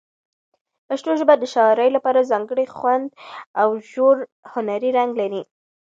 پښتو ژبه د شاعرۍ لپاره ځانګړی خوند او ژور هنري رنګ لري.